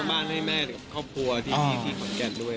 บ้านให้แม่กับครอบครัวที่ขอนแก่นด้วย